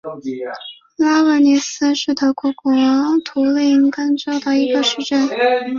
拉尼斯是德国图林根州的一个市镇。